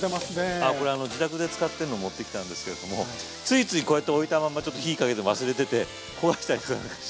あこれ自宅で使ってるのを持ってきたんですけれどもついついこうやって置いたままちょっと火かけて忘れてて焦がしちゃいました。